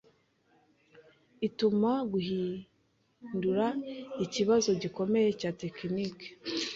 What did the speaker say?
ituma guhindura ikibazo gikomeye cya tekiniki